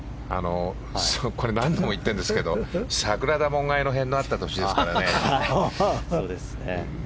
これは何度も言ってるんですが桜田門外の変があった年ですからね。